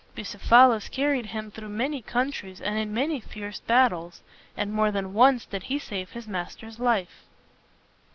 Bucephalus carried him through many countries and in many fierce battles, and more than once did he save his master's life.